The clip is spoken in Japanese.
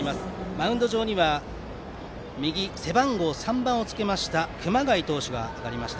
マウンド上には右、背番号３番をつけた熊谷投手が上がりました。